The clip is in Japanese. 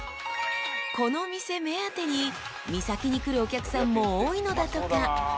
［この店目当てに三崎に来るお客さんも多いのだとか］